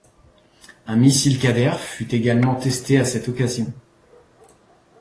Un missile Qader fut également testé à cette occasion.